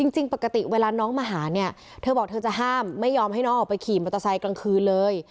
จริงปกติเวลาน้องมาหาเนี่ยเธอบอกเธอจะห้ามไม่ยอมให้น้องออกไปขี่มอเตอร์ไซค์กลางคืนเลย